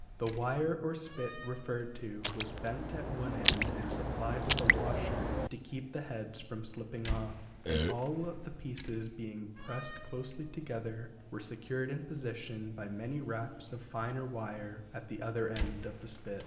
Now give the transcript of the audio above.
The wire or spit referred to was bent at one end and supplied with a washer to keep the heads from slipping off, and all the pieces being pressed closely together were secured in position by many wraps of finer wire at the other end of the spit.